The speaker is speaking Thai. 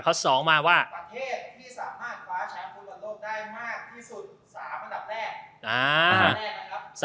ประเทศที่สามารถฟ้าแชมป์บนโลกได้มากที่สุด